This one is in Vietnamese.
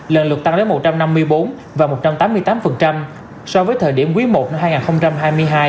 lần lượt tăng đến một trăm năm mươi bốn và một trăm tám mươi tám so với thời điểm quý i năm hai nghìn hai mươi hai